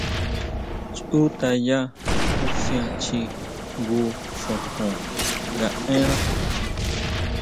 Chutʼaya jusian chji jngu xojon nga énna.